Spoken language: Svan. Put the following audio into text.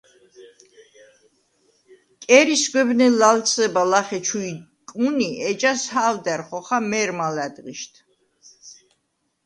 კერი სგვებნე ლა̈ლსება ლახე ჩუ იკმუნი, ეჯას ჰა̄ვდა̈რ ხოხა მე̄რმა ლა̈დღიშდ.